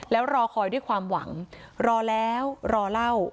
แล้วรอคอยด้วยความหวังรอแล้วรอเล่า